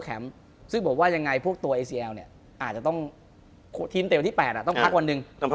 คุณผู้ชมบางท่าอาจจะไม่เข้าใจที่พิเตียร์สาร